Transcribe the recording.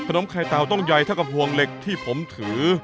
มไข่เต่าต้องใหญ่เท่ากับห่วงเหล็กที่ผมถือ